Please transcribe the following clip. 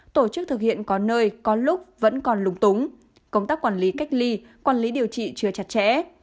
tổ chức thực hiện có nơi có lúc vẫn còn lùng túng công tác quản lý cách ly quản lý điều trị chưa chặt chẽ